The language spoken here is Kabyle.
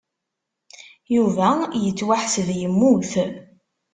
Yuba yettwaḥseb yemmut.